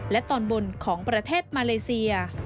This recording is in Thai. และตอนบนของประเทศมาเลเซีย